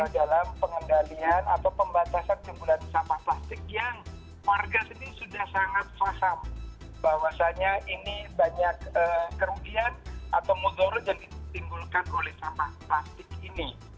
dalam pengendalian atau pembatasan kembulan sampah plastik yang warga sendiri sudah sangat faham bahwasannya ini banyak kerugian atau modus yang ditimbulkan oleh sampah plastik ini